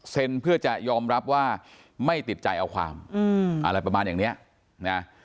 เพื่อจะยอมรับว่าไม่ติดใจเอาความอะไรประมาณอย่างเนี้ยนะ